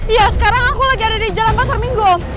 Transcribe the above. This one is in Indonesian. iya sekarang aku lagi ada di jalan pasar minggu